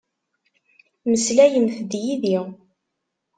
Meslayemt-d yid-i.